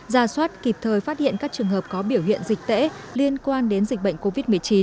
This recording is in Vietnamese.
ra soát kịp thời phát hiện các trường hợp có biểu hiện dịch tễ liên quan đến dịch bệnh covid một mươi chín